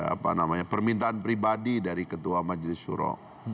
apa namanya permintaan pribadi dari ketua majelis suro